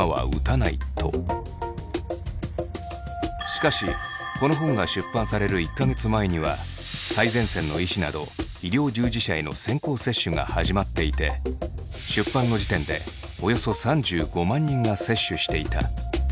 しかしこの本が出版される１か月前には最前線の医師など医療従事者への先行接種が始まっていて出版の時点で一見ですね